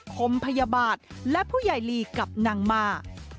คมพยาบาทและผู้ใหญ่ลีกับนางมา